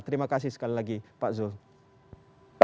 terima kasih sekali lagi pak zul